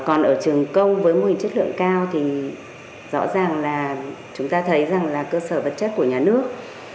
còn ở trường công với mô hình chất lượng cao thì rõ ràng là chúng ta thấy rằng là cơ sở vật chất của nhà nước